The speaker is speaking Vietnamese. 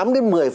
tám đến một mươi